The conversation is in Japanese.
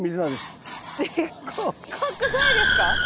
でっかくないですか？